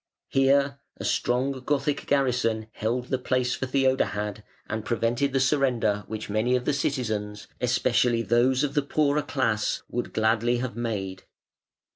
Here a strong Gothic garrison held the place for Theodahad and prevented the surrender which many of the citizens, especially those of the poorer class, would gladly have made.